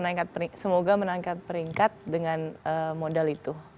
dan juga bisa menaikkan semoga menaikkan peringkat dengan modal itu